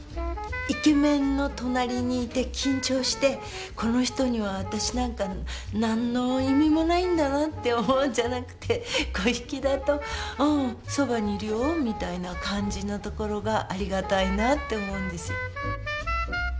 イケメンの隣にいて緊張して「この人には私なんか何の意味もないんだな」って思うんじゃなくて粉引だと「おうそばにいるよ」みたいな感じのところがありがたいなって思うんです。